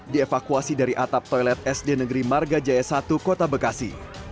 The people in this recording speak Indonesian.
dievakuasi dari atap toilet sd negeri marga jaya satu kota bekasi